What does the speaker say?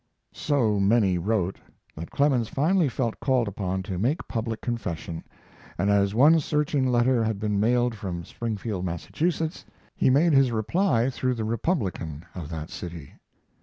So many wrote, that Clemens finally felt called upon to make public confession, and as one searching letter had been mailed from Springfield, Massachusetts, he made his reply through the Republican of that city.